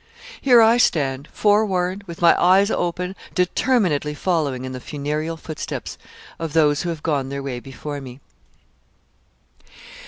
Here I stand, forewarned, with my eyes open, determinedly following in the funereal footsteps of those who have gone their way before me.